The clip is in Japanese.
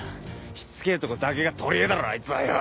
しつけぇとこだけが取りえだろあいつはよ！